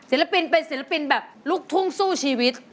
ปินเป็นศิลปินแบบลูกทุ่งสู้ชีวิต